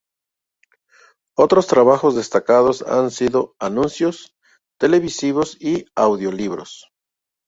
Otros trabajos destacados han sido anuncios televisivos y audiolibros.